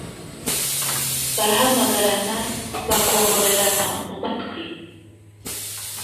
barahamagarana bakongorerana mumatwi,